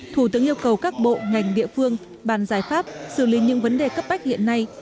thủ tướng yêu cầu các bộ ngành địa phương bàn giải pháp xử lý những vấn đề cấp bách hiện nay